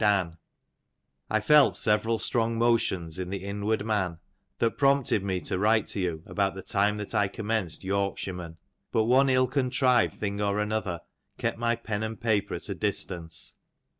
Dan, I felt several strong motions in the inward man, that prompted me to write to you about the time that I commenced Torkshireman, but one iU contrived thing or another, kept my pen and paper at a distance.